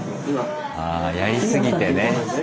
あやりすぎてね。